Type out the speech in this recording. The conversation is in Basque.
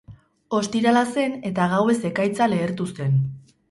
Ostirala zen eta gauez ekaitza lehertu zen.